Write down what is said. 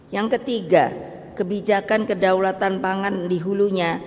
yang ketiga kebijakan kedaulatan pangan di hulunya